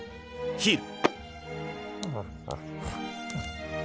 ヒール！